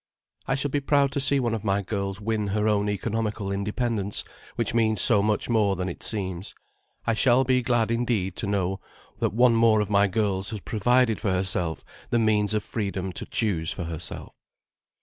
"I shall be proud to see one of my girls win her own economical independence, which means so much more than it seems. I shall be glad indeed to know that one more of my girls has provided for herself the means of freedom to choose for herself."